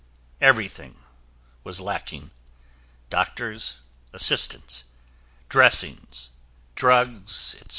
Everything was lacking: doctors, assistants, dressings, drugs, etc.